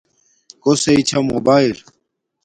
کوسݵ چھا موباݵل